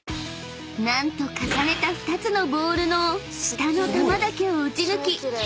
［何と重ねた２つのボールの下の球だけを打ち抜き］